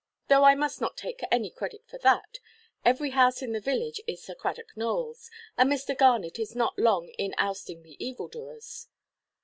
Though I must not take any credit for that. Every house in the village is Sir Cradock Nowellʼs, and Mr. Garnet is not long in ousting the evil–doers."